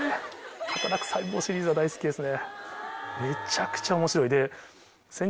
『はたらく細胞』シリーズは大好きですね。